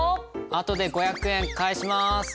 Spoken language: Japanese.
あとで５００円返します。